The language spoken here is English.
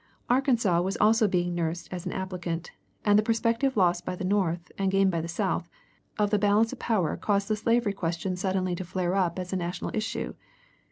Arkansas was also being nursed as an applicant, and the prospective loss by the North and gain by the South of the balance of power caused the slavery question suddenly to flare up as a national issue.